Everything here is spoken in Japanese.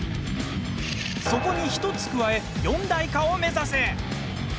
そこに１つ加え四大化を目指せ！